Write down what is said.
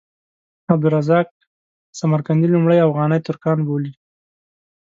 عبدالرزاق سمرقندي لومړی اوغاني ترکان بولي.